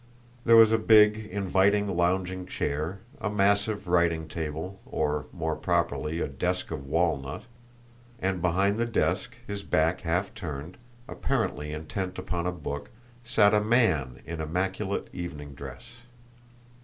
There was a big, inviting lounging chair; a massive writing table, or more properly, a desk of walnut; and behind the desk, his back half turned, apparently intent upon a book, sat a man in immaculate evening dress.